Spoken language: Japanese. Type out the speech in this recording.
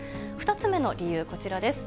２つ目の理由、こちらです。